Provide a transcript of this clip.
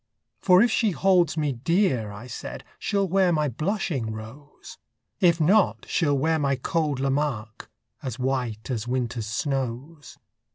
For if she holds me dear, I said, She'll wear my blushing rose; If not, she'll wear my cold Lamarque, As white as winter's snows.